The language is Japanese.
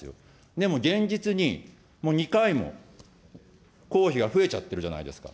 でも、現実にもう２回も工費が増えちゃってるじゃないですか。